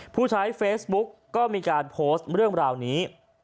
ผู้ใช้เฟซบุ๊กก็มีการโพสต์เรื่องราวนี้